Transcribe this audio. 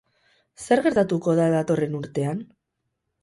Zer gertatuko da datorren urtean?